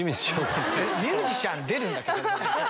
ミュージシャン出るんだこの番組。